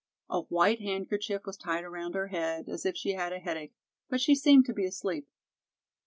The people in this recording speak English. A white handkerchief was tied around her head, as if she had a headache, but she seemed to be asleep.